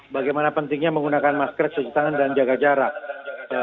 bagaimana pentingnya menggunakan masker cuci tangan dan jaga jarak